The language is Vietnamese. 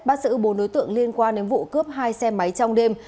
bắt giữ bốn đối tượng liên quan đến vụ cướp hai xe máy trong đêm